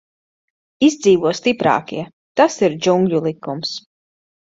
Izdzīvo stiprākie, tas ir džungļu likums.